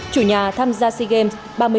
chủ nhà tham gia sea games ba mươi một